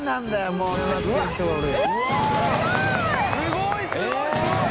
すごいすごい！